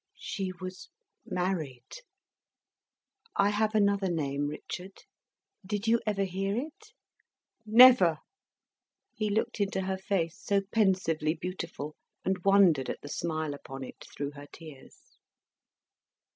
She was married. "I have another name, Richard. Did you ever hear it?" "Never!" He looked into her face, so pensively beautiful, and wondered at the smile upon it through her tears.